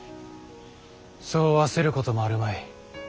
そう焦ることもあるまい。